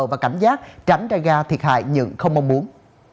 và cảnh giác tránh ra thiệt hại những không mong muốn